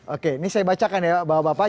oke ini saya bacakan ya bapak bapak